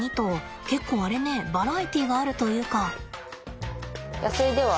結構あれねバラエティーがあるというか。